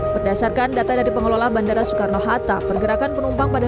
berdasarkan data dari pengelola bandara soekarno hatta pergerakan penumpang pada